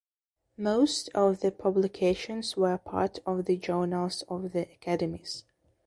Most of the publications were part of the journals of the academies.